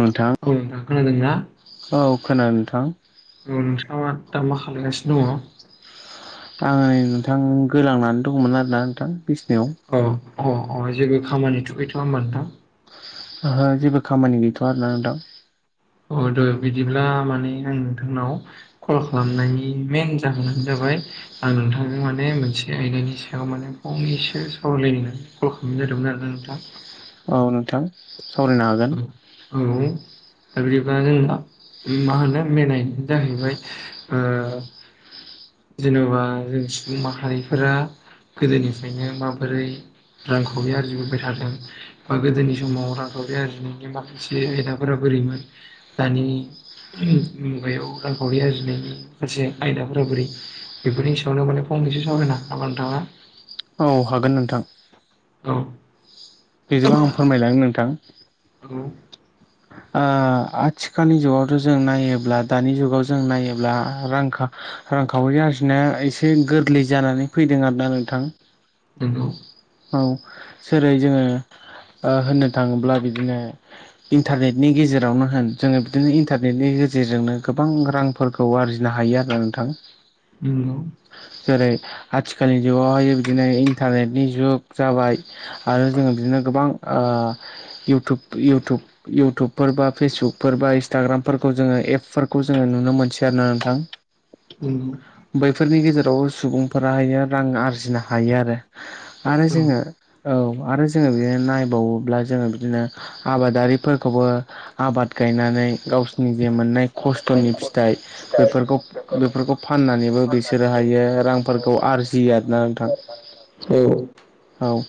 नोंथां। खोनादोंना? औ खोनादों नोंथां। औ नोंथाङा दा मा खालायगासिनो दङ? आङो नै नोंथां गोलांनानै दंमोन आरोना नोंथां बिसिनायाव। औ अ अ जेबो खामानि थु गैथवा होमबा नोंथां। ओहो जेबो खामानि गैथवा आरोना दा। अ दे बिदिब्ला माने आं नोंथांनाव कल खालामनायनि मेन जाहोनानो जाबाय। आं नोंथांजों माने मोनसे आयदानि सायाव माने फंनैसो सावरायलायनो कल खालामनाय जादों। नोंथां औ नोंथां सावरायनो हागोन औ-औ दा बिदिबा जोंना। मा होनो मिलायनाय जाहैबाय ओ जेन'बा जों सुबुं माहारिफोरा गोदोनिफ्रायनो माबोरै। रांखावरि आरजिबोबाय थादों बा गोदोनि समाव रांखावरि आरजिनायनि माखसे आयदाफोरा बोरैमोन दानि मुगायाव रांखावरि आरजिनायनि माखासे आयदाफोरा बोरै बेफोरनि सायावनो माने फं नैसो सावरायनो हागोन नामा नोंथाङा? औ हागोन नोंथां। औ। बेजोंबो आं फोरमायलांगोन नोंथां। [unintelligible] आथिखालनि जुगावथ' जों नायोब्ला दानि जुगाव जों नायोब्ला रां खा खावरि आरजिनाय एसे गोरलै जानानै फैदों आरोना नोंथां। नोंगौ। जेरै जोङो होननो थाङोब्ला बिदिनो। इन्टारनेटनि गेजेरावनो होन जोङो बिदिनो इन्टारनेटनि गेजेरजोंनो गोबां रांफोरखौ आरजिनो हायो आरो। नोंथां नोंगौ। जेरै आथिखालनि जुगावहाय बिदिनो इन्टारनेटनि जुग जाबाय आरो जोङो बिदिनो गोबां। इउटुब इउटुब इउटुबफोर बा फेसबुकफोर बा इन्स्टाग्रामफोरखौ जोङो एपफोरखौ जोङो नुनो मोनसै आरोना नोंथां। नामा बैफोरनि गेजेराव सुबुंफोराहाय रां आरजिनो हायो आरो। आरो जोङो औ आरो जोङो बिदिनो नायबावोब्ला जोङो बिदिनो आबादारि फोर खौबो आबाद गायनानै गावसोरनि मोननाय खस्थ'नि फिथाइ बेफोरखौ बेफोरखौ फाननानैबो बिसोरो हायो रां फोरखौ आरजियो आरोना नोंथां नोंथाङा औ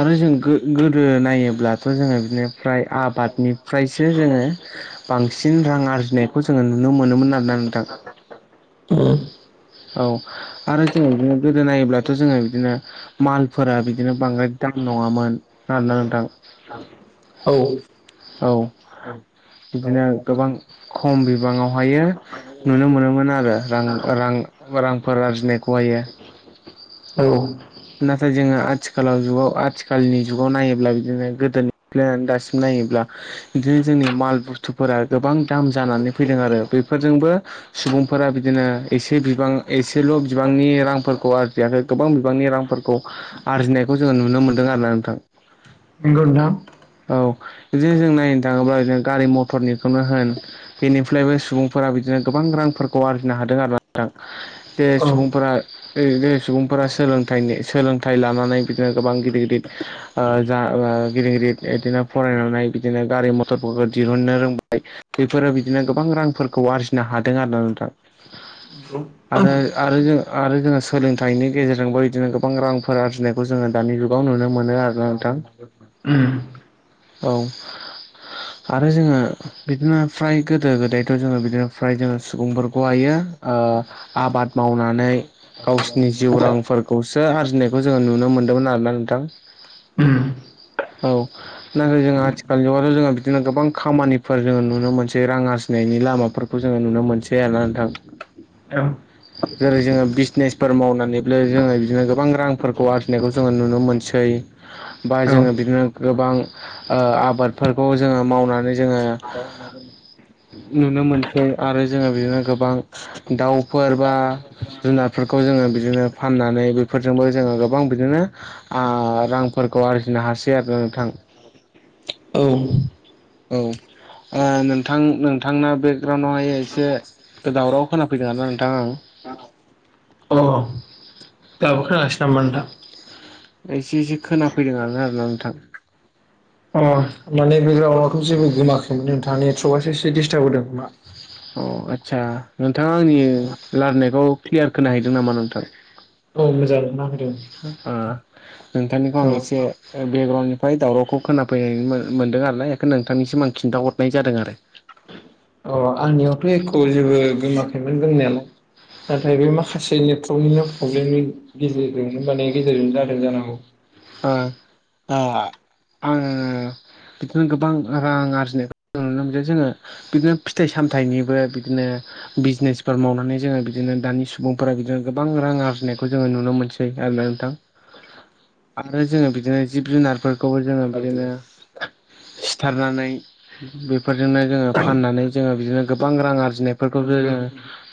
आरो जों गोदो नायोब्ला थ' जोङो बिदिनो फ्राय आबादनि फ्रायसो जोङो बांसिन रां आरजिनायखौ जोङो नुनो मोनोमोन आरोना नोंथां [inaudible] उम औ आरो जोङो बिदिनो गोदो नायोब्लाथ' जोङो बिदिनो मालफोरा बिदिनो बांद्राय दाम नङामोन आरोना नोंथां औ औ बिदिनो गोबां खम बिबाङावहायो नुनो मोनोमोन आरो रां-रां रांफोर आरजिनाय खौहायो औ नाथाय जोङो आथिखालाव जुगाव आथिखालनि जुगाव नायोब्ला बिदिनो गोदोनिफ्लनानै दासिम नायोब्ला इदिनो जोंनि माल बुस्थुफोरा गोबां दाम जानानै फैदों आरो बेफोरजोंबो सुबुंफोरा बिदिनो एसे बिबां एसेल' बिबांनि रांफोरखौ आरजियाखै गोबां बिबांनि रां फोरखौ आरजिनायखौ जोङो नुनो मोनदों आरोना नोंथां नंगौ नोंथां औ बिदिनो जों नायनो थाङोब्ला बिदिनो गारि मथरनिखौनो होन बेनिफ्रायबो सुबुंफोरा बिदिनो गोबां रांफोरखौ आरजिनो हादों आरोना नोंथां जे औ सुबुंफोरा सुबुंफोरा सोलों थाइनि सोलोंथाइ लानानै बिदिनो गोबां गिदिर गिदिर ओ जा ओ गिदिर गिदिर इदिनो फराय नानै बिदिनो गारि मथरफोरखौ दिरूननो रोंबाय बेफोरो बिदिनो गोबां रांफोरखौ आरजिनो हादों आरोना नोंथां नंगौ आरो आरो जों आरो जोङो सोलोंथनि गेजेरजोंबो बिदिनो गोबां रांफोर आरजिनायखौ जोङो दानि जुगाव नुनो मोनो आरोना नोंथां उम औ आरो जोङो बिदिनो फ्राय गोदो गोदायथ' जोङो बिदिनो फ्राय जोङो सुबुंफोरखौहायो ओ आबाद मावनानै गावसिनि जिउ रांफोर- खौसो आरजिनायखौ जोङो नुनो मोनदोंमोन आरोना नोंथां उम औ नाथाय जोंङो आथिखालनि जुगावथ' जोङो बिदिनो गोबां खामानिफोर जोङो नुनो मोनसै रां आरजिनाय नि लामाफोरखौ जोङो नुनो मोनसै आरो ना नोंथां औ जेरै जोङो बिसनेसफोर मावनानैब्ला जोङो बिदिनो गोबां रांफोरखौ आरजिनायखौ जोङो नुनो मोनसै बा औ औ जोङो बिदिनो गोबां ओ आबादफोरखौ जोङो मावनानै जोङो नुनो मोनसै आरो जोङो बिदिनो गोबां दाउफोर बा जुनारफोरखौ जोङो बिदिनो फाननानै बेफोरजोंबो जोङो गोबां बिदिनो आ रांफोरखौ आरजिनो हासै आरोना नोंथां । [inaudible] औ औ ओ नोंथां नोंथांना बेकग्राउन्डआवहाय एसे दावराव खोनाफैदों आरोना नोंथां आं अ दाबो खोनागासिनो नामा नोंथां? एसे एसे खोनाफैदोंआनो आरोना नोंथां अ माने बेगग्राउडआवथ' जेबो गोमाखैमोन नोंथां नेट्रक'आासो एसे डिस्टार्ब होदों खोमा अ आदसा नोंथाङा आंनि लारनायखौ क्लियार खोनाहैदों नामा नोंथां? औ मोजां खोनाफैदों ओ नोंथांनिखौ औ आं एसे ओ बेकग्राउन्डनिफ्राय दावरावखौ खोनाफैनाय मोनदों आरोना एखायनो नोंथांनि निसिम आं खिन्थाहदनाय जादों आरो । अ आंनियावथ' एख' जेबो गोमाखैमोन गोमनायालाय । नाथाय बे माखासे नेटवर्कनिनो प्रब्लेमनि गेजेरजोंनो माने गेजेरजोंनो जादों जानोहागौ । आं आ आङो बिदिनो गोबां रां आरजिनायखौ नुनो मोनदों जोङो बिदिनो फिथाइ सामथाइनिबो बिदिनो बिजनेसफोर मावनानै जोङो बिदिनो दानि सुबुंफोरा बिदिनो गोबां रां आरजिनायखौ जोङो नुनो मोनसै । आरोना नोंथां । आरो जोङो बिदिनो जिब जुनारफोरखौबो जोङो बिदिनो सिथारनानै बेफोरजोंनो जोङो फाननानै जोङो बिदिनो गोबां रां आरजिनायफोरखौ जों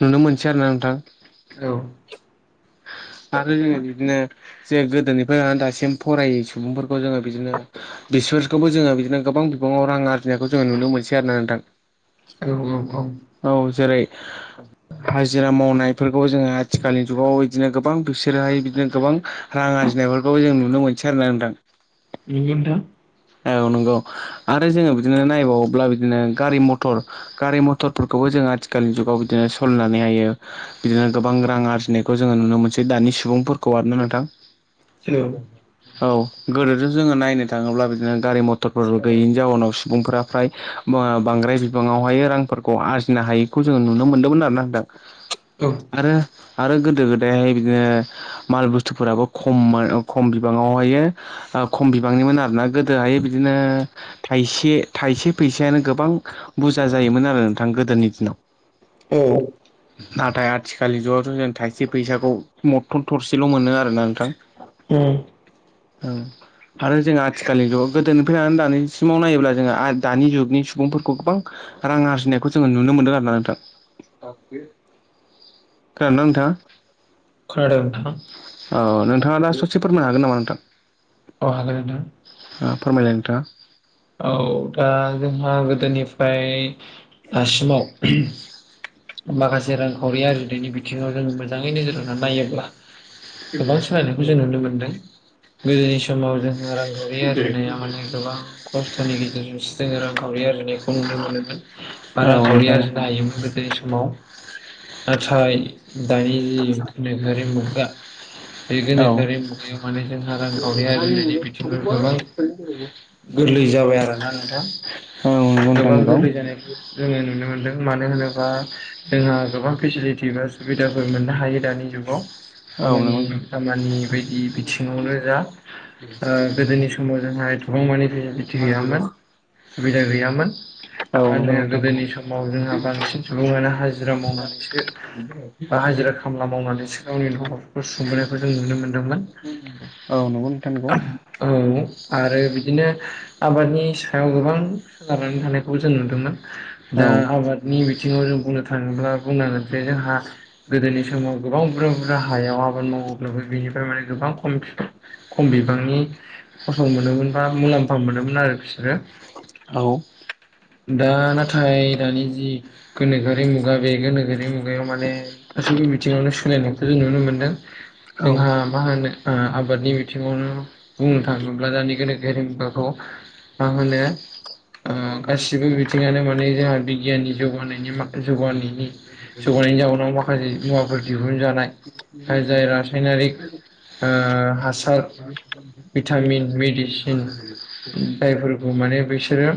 नुनो मोनसै आरो ना नोंथां । औ आरो जोङो बिब्दिनो जे गोदोनिफ्राय लानानै दासि- सिम फरायै सुबुंफोरखौ जोङो बिदिनो बिसोरखौबो जोङो बिदिनो गोबां बिबाङाव रां आर्जिनायखौ जोङो नु- नुनो मोनसै आरोना नोंथां । [unintelligible] औ जेरै हाजिरा मावनायफोरखौबो जोंङो आथिखालनि जुगाव इदिनो गोबां बिसोरोहाय बिदिनो गोबां रां आरजि- नायफोरखौबो जों नुनो मोनसै आरोना नोंथां । नंगौ नोंथां औ नंगौ आरो जोङो बिदिनो नायबावोब्ला बिदिनो गारि मथर गारि मथरफोरखौ जों आथिखालनि जुगाव बिदिनो सलिनानै हायो बिदिनो गोबां रां आरजिनाय जोङो नुनो मोनसै दानि- सुबुंफोरखौ आरोना नोंथां । हेलौ औ गोदोजों जोङो नायनो थाङोब्ला बिदिनो गारि मथरफोर गैयैनि जाउनाव सुबुंफोरा फ्राय बांद्राय बिबाङावहाय रांफोरखौ आरजिनो हायैखौ जोङो नुनो मोनदोंमोन आरोना नोंथां। उम आरो आरो गोदो गोदायहाय बिदिनो माल बुस्थुफोराबो खम खम बिबाङावहायो ओ खम बिबांनिमोन आरो गोदोहाय बिदिनो थायसे थायसे फैसायानो गोबां बुरजा जायोमोन आरो नोंथां गोदोनि दिनाव । औ नाथाय आथिखालनि ज'थ' जों थाइसे फैसाखौ मथन थरसेल' मोनो आरोना नोंथां । [inaudible] औ आरो जोंङ आथिखालनि जुगाव गोदोनिफ्रायनानै दानिसिमाव नायोब्ला जोङो दानि जुगनि सुबुंफोरखौ गोबां रां आरजिनायखौ जोङो नुनो मोनदों आरोना नोंथां । खोनादों ना नोंथाङा? खोनादों नोंथां । औ नोंथाङा दा ससे फोरमायनो हागोन नामा नोंथां? मानोना ओ फोरमायलाय औ दा जोंहा गोदोनिफ्राय दासिमाव माखासे रांखावरि आरजिनायनि बिथिङाव जों मोजाङै नोजोर होनानै नायोब्ला गोबां सोलायनायखौ जों नुनो मोनदों । गोदोनि समाव जोंङो रांगगावरि आरजिनाया माने गोबां खस्थ'नि गेजेरजों जोङो रांखावरि आरजिनायखौ नुनो मोनोमोन बा नोंथाङा औ रांखावरि नोंथां आरजिनो हायोमोन गोदोनि समाव नाथाय दानि जि गोनोखोआरि मुगा बे औ गोनोखोआरि मुगायाव माने जोंहा रांखावरि आरजिनायनि बिथिंखौ गोबां गोरलै जाबाय आरोना नोंथां औ नंगौ नोंथां गोबां नंगौ गोरलै जानायखौ जोङो नुनो मोनदों मानो होनोब्ला जोंहा गोबां फेसिलिटि बा सुबिदाफोर मोननो हायो दानि जुगाव औ खामानि नंगौ दामानि बायदि बिथिङावनो जा गोदोनि समाव जोंहा गोबां मानिे बिटि गैयामोन सुबिदा गैयामोन। मा होनो नोंथां गोदोनि समाव जोंहा बांसिन सुबुङानो हाजिरा मावनानैसो बाहाय हाजिरा खामला मावनानैसो गावनि न'खरफोरखौ खोंबोनायखौ जों नुनो मोनदोंमोन औ नंगौ नोंथां नंगौ औ आरो बिदिनो आबादनि सायाव गोबां सोनारनानै थानायखौबो जों नुदोंमोन। दा औ आबादनि बिथिङाव जों बुंनो थाङोब्ला बुंनांगोन जोंहा गोदोनि समाव गोबां बुरजा बुरजा हायाव आबाद माव बिनिफ्राय माने गोबां खम खम बिबांनि फसं मोनोमोन बा मुलाम्फा मोनोम मोनोमोन आरो बिसोरो औ दा नाथाय दानि जि गोनोखोआरि मुगा बे गोनोखोोरि मुगायाव माने गासैबो बे बिथिङावनो सोलायनायखौ जों नुनो मोन्दों। औ नंगौ जोंहा नोंथां नंगौ। मा होनो आबादनि बिथिङावनो बुंनो थाङोब्ला दानि गोनोखो गेरेमबाखौ मा होनो गासिबो बिथिङानो माने जोंहा बिगियाननि जौगानायनि मा जौगानायनि जौगानायनि जाउनाव माखासे मुवाफोर दिहुनजानाय जाय रासायनारिक हासार भिटामिन मेडिसिन जायफोरखौ माने बिसोरो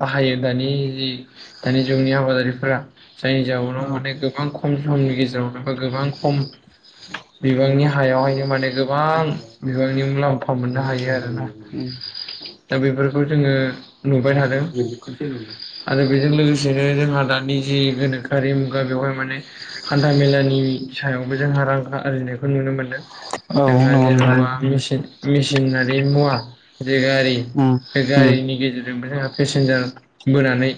बाहायो दानि जि दानि जुगनि आबादारिफोरा जायनि जाउनाव उम उम माने गोबां खम समनि गेजेरावनो बा गोबां खम बिबांनि हायावहायनो माने गोबां बिबांनि मुलाम्फा मोननो हायो आरोना उम दा बेफोरखौ जोङो नुबाय थादों। आरो बेजों लोगोसेनो जोंहा दानि जि गोनोखोआरि मुगा बेवहाय माने हान्था मेला गोदोनि सायावबो जोंहा रां आरजिनायखौ नुनो मोनदों जोंहा जेन'बा मेसिन मेसिनारि मुवा जे गारि उम बे गारिनि गेर गेजेरजोंबो जोंहा पेसेन्जार बोनानै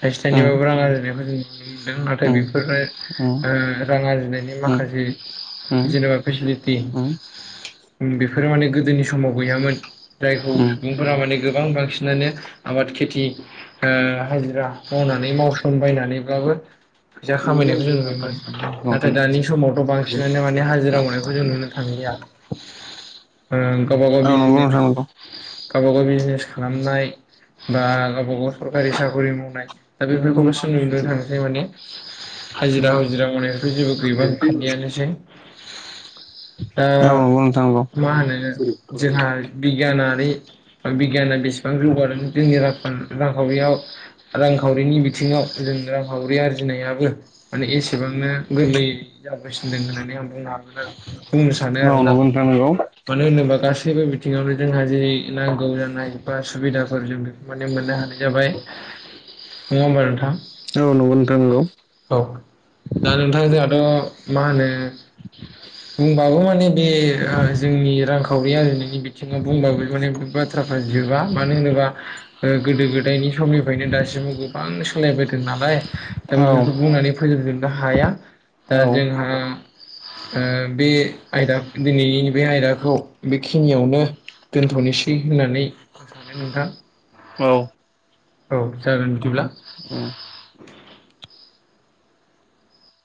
थाइसे थाइनैबाबो रां आरजिनायखौ जों नुनो मोनदों नाथाय उम बेफोरो रां आरजिनायनि माखासे उम जेनेबा फेसिलिटि बेफोरो माने गोदोनि समाव गैयामोन जायखौ सुबुंफोरा माने गोबां बांसिनानो आबाद खेथि हाजिरा मावनानै मावसनबायायनानैब्ला [unintelligible] फैसा खामायनायखौ जों नुयोमोन उम नाथाय दानि समावथ' बांसिनानो माने हाजिरा उम मावनायखौ जों नुनो थांलिया गावबा गावनि नोंगौ नोंथां नंगौ गावबा गाव बिजनेस खालामनाय बा गावब गाव सरकारि साख्रि मावनाय दा नंगौ बेफोर [unintelligible] नोंथां नंगौ [unintelligible] थांसै माने हाजिरा हुजिरा मावनायनिफ्राय जेबो गैबां खालियानियानोसै दा औ नंगौ नोंथां नंगौ मा होनो जोंहा बिगियानारि बि गियाना बेसेबां जौगादों जोंनो रांखावरियाव रांखावरिनि बिथिङाव जों रां हावरि आरजिनायाबो माने एसेबांनो गोरलैय जाबासिनदों होननानै आं बुंनो हागोन आरो बुंनो सानो औ नंगौ आरोना मानो होनोबा गासैबो बिथिंङावनो जोंहा जेर नांगौ ज बा सुबिदाफोर जों बेखौ मे मोननो हानाय जाबाय नंङा होमबा नोंथां औ नंगौ नोंथां नंगौ औ दा नोंथां जोंहाथ' मा होनो बुंबाबो माने बे जोंनि रांखावरि आरजिनायनि बिथिङाव बुंबाबो माने बाथ्रा जोबा मानो होनोबा गोदो गोदायनि समनिफ्रायनो दासिमबो गोबां सोलायबायदों नालाय। दा औ बेफोरखौ बुंनानै फोजोबजोबनो हाया दा जोंहा। बे आयदा दिनैनि बे आयदाखौ बेखिनियावनो दोनथ'नोसै होननानै आं सानो नोंथां। औ औ जागोन बिदिब्ला उम